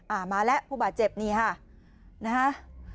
มาแล้วผู้บาดเจ็บนี่ค่ะนะฮะ